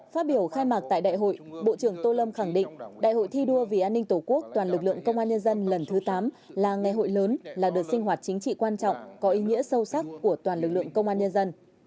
phát biểu khai mạc tại đại hội bộ trưởng tô lâm khẳng định đại hội thi đua vì an ninh tổ quốc toàn lực lượng công an nhân dân lần thứ tám là ngày hội lớn là đợt sinh hoạt chính trị quan trọng có ý nghĩa sâu sắc của toàn lực lượng công an nhân dân